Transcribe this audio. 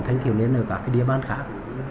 thanh thiếu niên ở các địa bàn khác